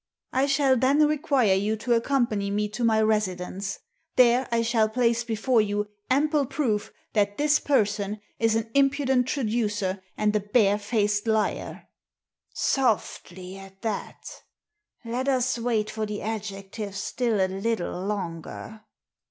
I shall then require you to accompany me to my residence. There I shall place before you ample proof that this person is an impudent traducer, and a barefaced liar." Softly at that Let us wait for the adjectives still a little longer.